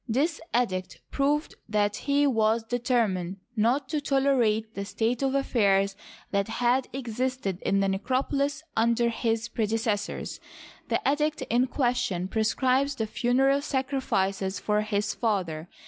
This edict proved that he was determined not to tolerate the state of affairs that had existed in the necropolis under his predecessors. The edict in question prescribes the funereal sacrifices for his father.